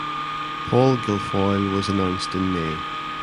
Paul Guilfoyle was announced in May.